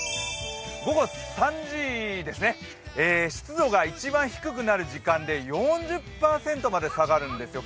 午後３時ですね、湿度が一番低くなる時間で４０％まで下がるんですよ。